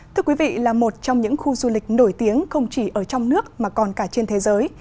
thưa quý vị là một trong những khu du lịch nổi tiếng không chỉ ở trong nước mà còn cả trên thế giới